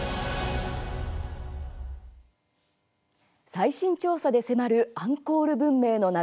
最新調査で迫るアンコール文明の謎。